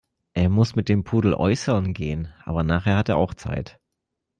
Er muss mit dem Pudel äußerln gehen, aber nachher hat er auch Zeit.